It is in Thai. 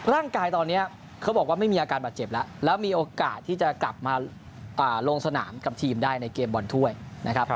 ร่างกายตอนนี้เขาบอกว่าไม่มีอาการบาดเจ็บแล้วแล้วมีโอกาสที่จะกลับมาลงสนามกับทีมได้ในเกมบอลถ้วยนะครับ